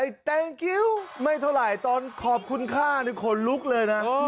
แตงคิ้วไม่เท่าไหร่ตอนขอบคุณค่านี่ขนลุกเลยนะ